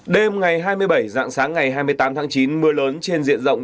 đêm ngày hai mươi bảy dạng sáng ngày hai mươi tám tháng chín mưa lớn trên diện rộng